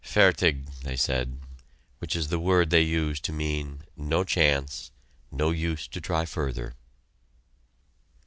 "Fertig," they said which is the word they use to mean "no chance," "no use to try further."